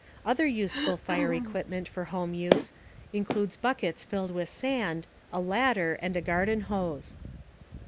Other useful fire equipment for home use includes buckets filled with sand, a ladder, and a garden hose.